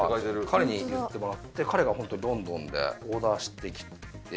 彼に譲ってもらって彼がホントにロンドンでオーダーしてきて。